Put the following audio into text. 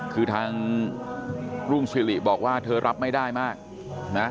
คือทางรุ่งสิริบอกว่าเธอรับไม่ได้มากนะ